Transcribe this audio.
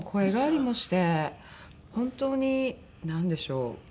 本当になんでしょう？